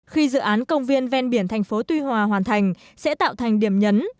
khi dự án công viên ven biển thành phố tuy hòa hoàn thành sẽ tạo thành điểm nhấn